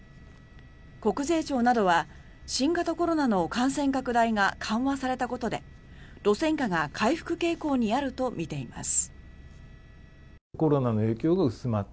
国税庁などは新型コロナの感染拡大が緩和されたことで、路線価が回復傾向にあると見ています。